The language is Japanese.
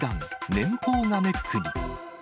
年俸がネックに。